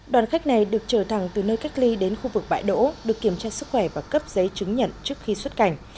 đoàn khách này được trở thẳng từ nơi cách ly đến khu vực bãi đỗ được kiểm tra sức khỏe và cấp giấy chứng nhận trước khi xuất cảnh